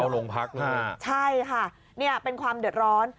โรงพักนะฮะใช่ค่ะเนี่ยเป็นความเดือดร้อน